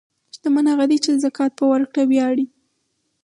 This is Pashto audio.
شتمن هغه دی چې د زکات په ورکړه ویاړي.